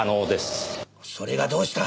それがどうした？